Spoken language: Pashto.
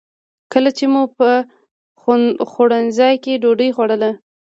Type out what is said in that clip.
کله چې مو په خوړنځای کې ډوډۍ خوړله.